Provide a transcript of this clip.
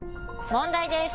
問題です！